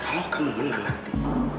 kalau kamu menang nanti